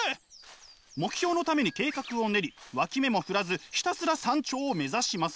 目標のために計画を練り脇目も振らずひたすら山頂を目指します。